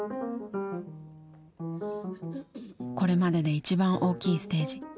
これまでで一番大きいステージ。